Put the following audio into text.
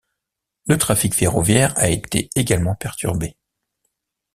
Le trafic ferroviaire a été également perturbé.